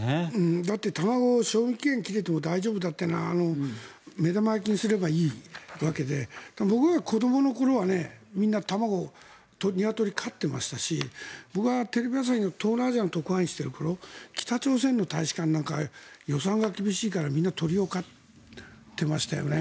だって、卵賞味期限切れても大丈夫だというのは目玉焼きにすればいいわけで僕が子どもの頃はみんな卵ニワトリを飼っていましたし僕はテレビ朝日の東南アジアの特派員をしている頃北朝鮮の大使館なんか予算が厳しいからみんな、鶏を飼ってましたよね。